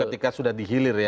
ketika sudah dihilir ya